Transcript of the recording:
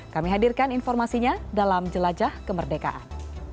kami hadirkan informasinya dalam jelajah kemerdekaan